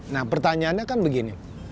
nah pertanyaannya kan begini